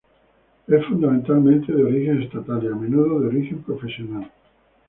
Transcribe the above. Es fundamentalmente de origen estatal y a menudo de origen profesional.